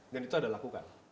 dan itu ada lakukan